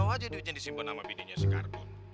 kebanyakan uang yang disimpan ngambil dari kardun